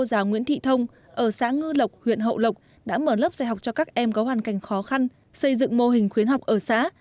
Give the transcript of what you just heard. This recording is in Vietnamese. giáo nguyễn thị thông ở xã ngư lộc huyện hậu lộc đã mở lớp dạy học cho các em có hoàn cảnh khó khăn xây dựng mô hình khuyến học ở xã